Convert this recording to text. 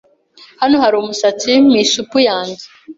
Hano hari umusatsi mu isupu yanjye.